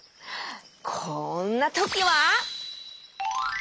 こんなときは！